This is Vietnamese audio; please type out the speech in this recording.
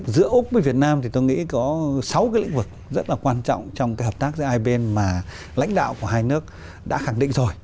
giữa úc với việt nam thì tôi nghĩ có sáu cái lĩnh vực rất là quan trọng trong cái hợp tác giữa hai bên mà lãnh đạo của hai nước đã khẳng định rồi